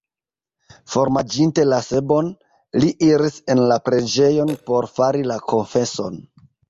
Formanĝinte la sebon, li iris en la preĝejon, por fari la konfeson.